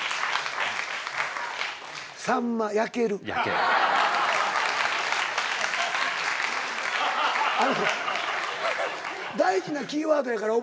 「さんま焼ける」あの大事なキーワードやから覚えといてねそこは。